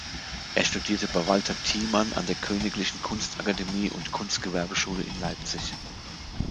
Er studierte bei Walter Tiemann an der Königlichen Kunstakademie und Kunstgewerbeschule in Leipzig.